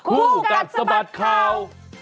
คู่กันสะบัดเขา